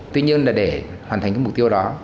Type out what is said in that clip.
tuy nhiên để hoàn thành mục tiêu đó